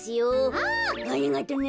あありがとね。